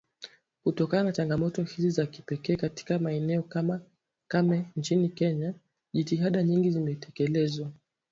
Kutokana na changamoto hizi za kipekee katika maeneo kame nchini Kenya jitihada nyingi zimetekelezwa